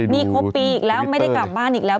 นี่ครบปีอีกแล้วไม่ได้กลับบ้านอีกแล้ว